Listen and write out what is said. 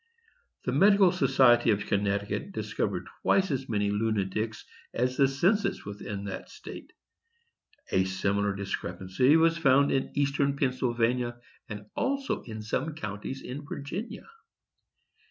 "The Medical Society of Connecticut discovered twice as many lunatics as the census within that state. A similar discrepancy was found in Eastern Pennsylvania, and also in some counties in Virginia.